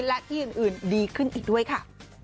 และที่อื่นดีขึ้นอีกด้วยค่ะ